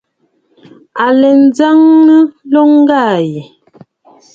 À lɛ njəŋnə nloŋ ŋgaa yàà.